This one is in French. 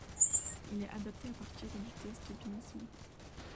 Il est adapté à partir du test Binet-Simon.